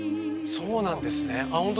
そうなんですねあ